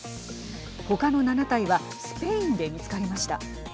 他の７体はスペインで見つかりました。